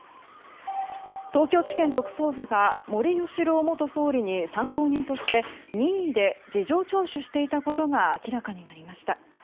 東京地検特捜部が森喜朗元総理に参考人として任意で事情聴取していたことが明らかになりました。